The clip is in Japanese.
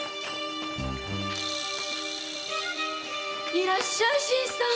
いらっしゃい新さん！